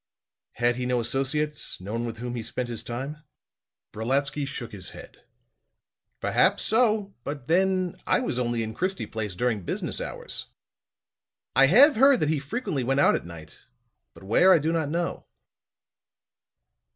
"Had he no associates no one with whom he spent his time?" Brolatsky shook his head. "Perhaps so; but then I was only in Christie Place during business hours. I have heard that he frequently went out at night; but where I do not know."